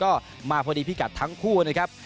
ก็มาพอดีพิกัดทั้งคู่นะครับ